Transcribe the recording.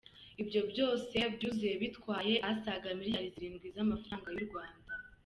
Ibyo byose byuzuye bitwaye asaga miliyari zirindwi z’amafaranga y’u Rwanda.